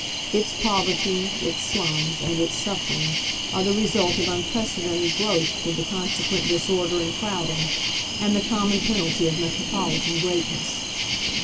Its poverty, its slums, and its suffering are the result of unprecedented growth with the consequent disorder and crowding, and the com mon penalty of metropolitan greatness.